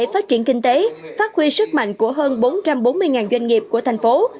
phát huy sức mạnh của hơn bốn trăm bốn mươi doanh nghiệp của thành phố